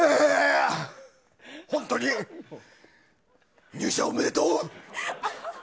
本当に入社おめでとう！